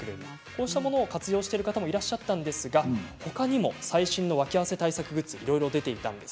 こうしたものを活用している方もいらっしゃったんですがほかにも最新のワキ汗グッズがいろいろ出ていました。